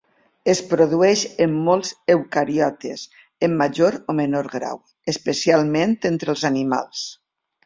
Es produeix en molts eucariotes en major o menor grau, especialment entre els animals.